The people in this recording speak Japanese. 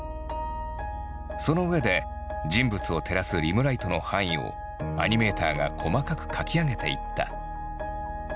そのうえで人物を照らすリムライトの範囲をアニメーターが細かく描き上げていった。